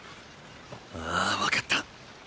あぁわかった！！